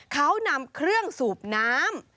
เขานำเครื่องสูบน้ำ